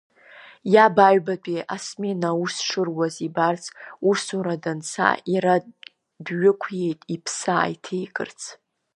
Иаб, аҩбатәи асмена аус шыруаз ибарц, усура данца, иара дҩықәиеит, иԥсы ааиҭеикырц.